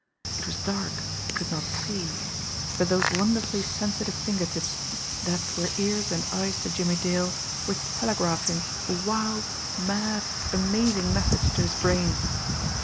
It was dark, he could not see; but those wonderfully sensitive finger tips, that were ears and eyes to Jimmie Dale, were telegraphing a wild, mad, amazing message to his brain.